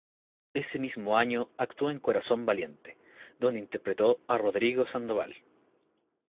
Ese mismo año actuó en "Corazón valiente", donde interpretó a Rodrigo Sandoval.